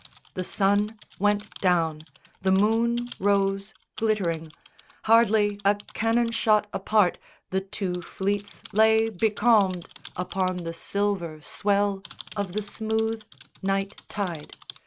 The sun went down: the moon Rose glittering. Hardly a cannon shot apart The two fleets lay becalmed upon the silver Swell of the smooth night tide.